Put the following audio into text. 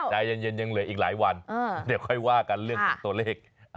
ใจเย็นยังเหลืออีกหลายวันเดี๋ยวค่อยว่ากันเรื่องของตัวเลข